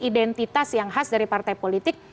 identitas yang khas dari partai politik